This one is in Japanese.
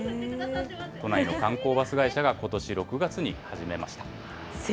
都内の観光バス会社がことし６月に始めました。